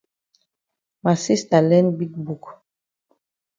Ma sista learn big book.